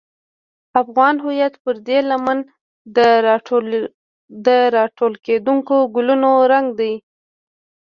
افغان هویت پر دې لمن د راټوکېدونکو ګلونو رنګ دی.